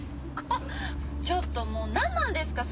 ちょっともう何なんですか？